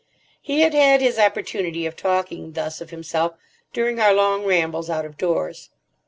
He had had his opportunity of talking thus of himself during our long rambles out of doors.